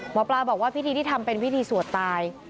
หมอปลาบอกว่าพิธีที่ทำเป็นพิธีสวดตาย